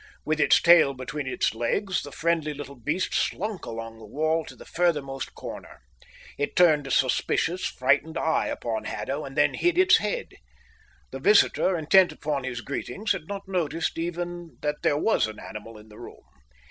With its tail between its legs, the friendly little beast slunk along the wall to the furthermost corner. It turned a suspicious, frightened eye upon Haddo and then hid its head. The visitor, intent upon his greetings, had not noticed even that there was an animal in the room.